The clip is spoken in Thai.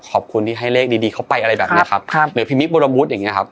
ขอบคุณที่ให้เลขดีเขาไปอะไรแบบนี้หรือพิมพลปุรมพุธอย่างงี้ครับ